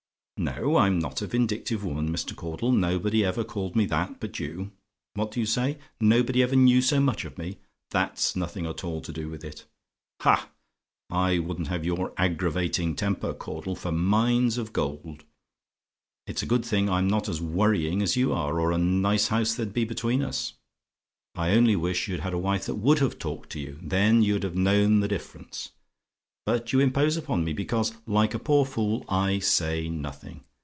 "No, I'm not a vindictive woman, Mr. Caudle; nobody ever called me that, but you. What do you say? "NOBODY EVER KNEW SO MUCH OF ME? "That's nothing at all to do with it. Ha! I wouldn't have your aggravating temper, Caudle, for mines of gold. It's a good thing I'm not as worrying as you are or a nice house there'd be between us. I only wish you'd had a wife that WOULD have talked to you! Then you'd have known the difference. But you impose upon me, because, like a poor fool, I say nothing.